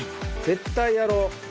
絶対やろう！